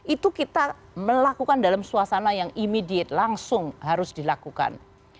itu kita melakukan dalam suasana yang immediate langsung harus dilakukan